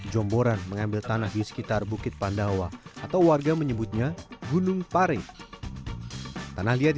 jomboran mengambil tanah di sekitar bukit pandawa atau warga menyebutnya gunung pare tanah liat di